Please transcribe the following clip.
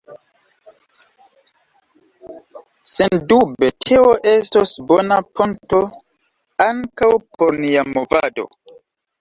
Sendube, teo estos bona ponto ankaŭ por nia Movado.